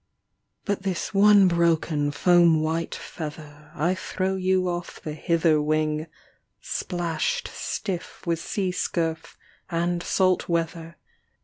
But this one broken foam white feather I throw you off the hither wing, Splashed stiff with sea scurf and salt weather.